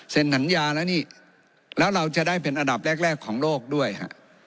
สัญญาแล้วนี่แล้วเราจะได้เป็นอันดับแรกของโลกด้วยฮะ